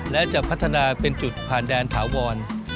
และจะพัฒนาเป็นจุดผ่านแดนถาวร